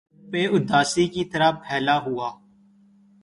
فلک ہے سر پہ اُداسی کی طرح پھیلا ہُوا